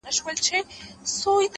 هره لاسته راوړنه خپل قیمت لري؛